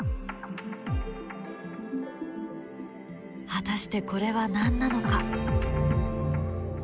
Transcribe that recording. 果たしてこれは何なのか？